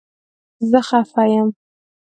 زه خپه یم